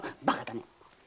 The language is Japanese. バカだね！